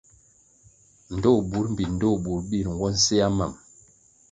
Ndtoh burʼ mbpi ndtoh burʼ bir nwo nsea mam.